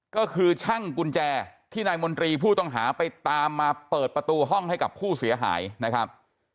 ก็คือช่างกุญแจที่นายมนตรีผู้ต้องหาไปตามมาเปิดประตูห้องให้กับผู้เสียหายนะครับ